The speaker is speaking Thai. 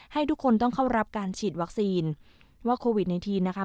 ให้ทุกคนต้องเข้ารับการฉีดวัคซีนว่าโควิดในทีนนะคะ